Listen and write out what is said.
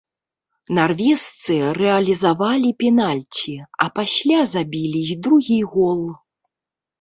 Нарвежцы рэалізавалі пенальці, а пасля забілі і другі гол.